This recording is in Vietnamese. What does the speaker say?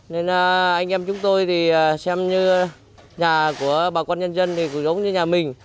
nên anh em chúng tôi thì xem như nhà của bà con nhân dân thì cũng giống như nhà mình